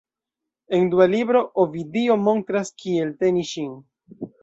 En dua libro, Ovidio montras kiel teni ŝin.